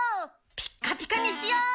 ピッカピカにしよう！